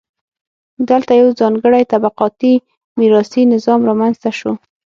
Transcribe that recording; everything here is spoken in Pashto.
دلته یو ځانګړی طبقاتي میراثي نظام رامنځته شو.